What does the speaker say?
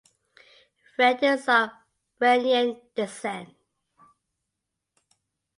Rad is of Iranian descent.